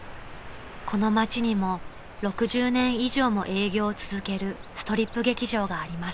この街にも６０年以上も営業を続けるストリップ劇場があります］